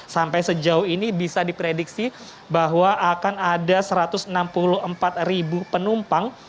sampai sejauh ini bisa diprediksi bahwa akan ada satu ratus enam puluh empat ribu penumpang